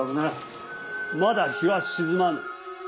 「まだ陽は沈まぬ」。